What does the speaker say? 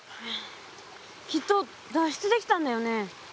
きっと脱出できたんだよね？